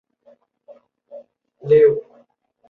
季末与山崎武司及大丰泰昭争夺全垒打王。